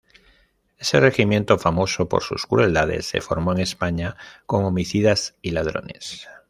Ese regimiento, famoso por sus crueldades, se formó en España con Homicidas y Ladrones.